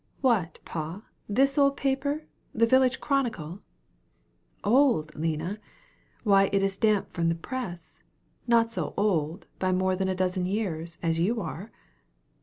"What, pa, this old paper, 'The Village Chronicle?'" "Old, Lina! why, it is damp from the press. Not so old, by more than a dozen years, as you are."